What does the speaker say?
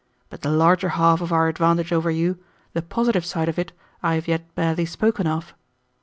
But the larger half of our advantage over you, the positive side of it, I have yet barely spoken of.